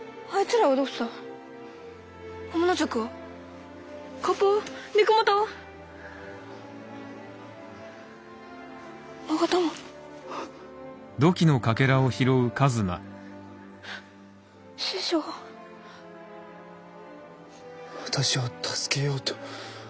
私を助けようと戦って。